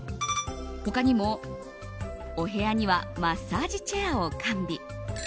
他にも、お部屋にはマッサージチェアを完備。